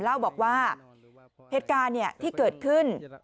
เล่าบอกว่าเหตุการณ์ที่เกิดขึ้น